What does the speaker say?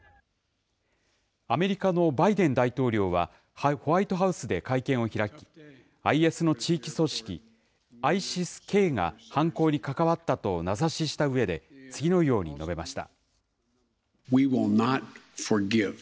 アメリカのバイデン大統領はホワイトハウスで会見を開き、ＩＳの地域組織、ＩＳＩＳーＫが犯行に関わったと名指ししたうえで、次のように述べました。